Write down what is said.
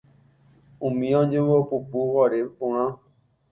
Umíva oñembopupu are porã